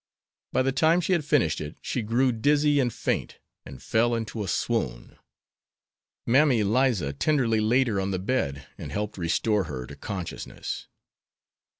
By the time she had finished it she grew dizzy and faint, and fell into a swoon. Mammy Liza tenderly laid her on the bed, and helped restore her to consciousness.